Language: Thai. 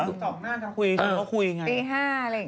ตอนแรกมันมืดมันมืดตอนเช้า